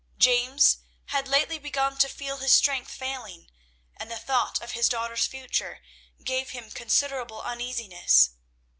James had lately begun to feel his strength failing, and the thought of his daughter's future gave him considerable uneasiness.